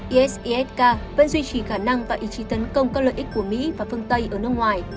isisk vẫn duy trì khả năng và ý chí tấn công các lợi ích của mỹ và phương tây ở nước ngoài